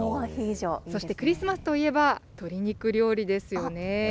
そしてクリスマスといえば鶏肉料理ですよね。